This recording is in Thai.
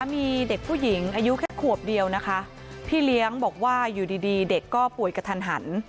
มีเด็กผู้หญิงอายุแค่ขวบเดียวนะคะพี่เลี้ยงบอกว่าอยู่ดีเด็กก็ป่วยกระทันหัน